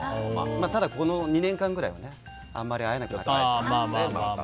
ただ、この２年間ぐらいはあんまり会えなかったですけど。